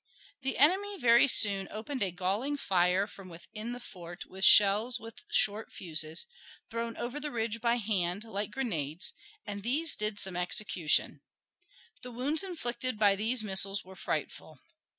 The enemy very soon opened a galling fire from within the fort with shells with short fuses, thrown over the ridge by hand, like grenades, and these did some execution. The wounds inflicted by these missiles were frightful.